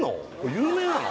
有名なの？